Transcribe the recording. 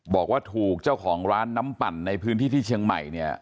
บอกว่าถูกเจ้าของร้านน้ำปั่นในพื้นที่ที่เชียงใหม่เนี่ย